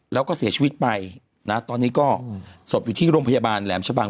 แล้วก็เสียชีวิตไปนะตอนนี้ก็ศพอยู่ที่โรงพยาบาลแหลมชะบัง